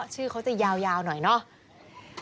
ชื่อเขาจะยาวหน่อยเนาะ